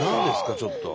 ちょっと。